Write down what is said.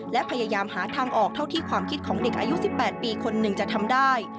และพยายามหาทางออกเท่าที่ความคิดของเด็กอายุ๑๘ปีคนหนึ่งจะทำได้